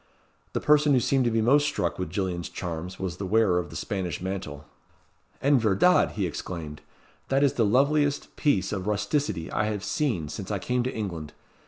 The person who seemed to be most struck with Gillian's charms was the wearer of the Spanish mantle. "En verdad!" he exclaimed, "that is the loveliest piece of rusticity I have seen since I came to England.